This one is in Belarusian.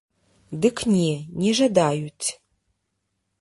Дык не, не жадаюць.